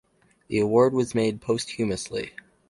The award was made posthumously.